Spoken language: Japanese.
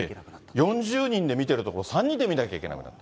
４０人で診てるところ、３人で診なきゃいけなくなった？